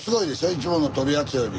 いつもの取るやつより。